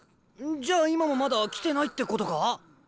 じゃあ今もまだ来てないってことか？